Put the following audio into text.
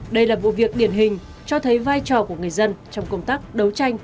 đây là vụ việc điển hình cho thấy vai trò của người dân trong công tác đấu tranh